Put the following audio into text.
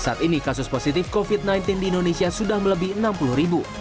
saat ini kasus positif covid sembilan belas di indonesia sudah melebih enam puluh ribu